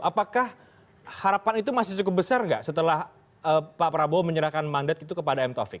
apakah harapan itu masih cukup besar nggak setelah pak prabowo menyerahkan mandat itu kepada m taufik